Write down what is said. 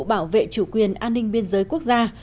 bảo vệ chủ quyền an ninh biên giới quốc gia